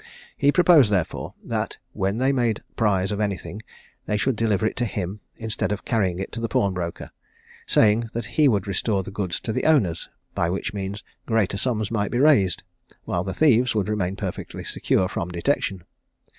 He proposed, therefore, that when they made prize of anything, they should deliver it to him, instead of carrying it to the pawnbroker, saying, that he would restore the goods to the owners, by which means greater sums might be raised, while the thieves would remain perfectly secure from detection.